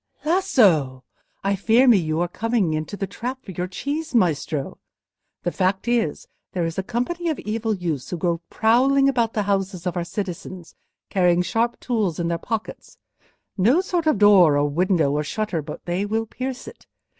"Lasso! I fear me you are come into the trap for your cheese, Maestro. The fact is, there is a company of evil youths who go prowling about the houses of our citizens carrying sharp tools in their pockets;—no sort of door, or window, or shutter, but they will pierce it.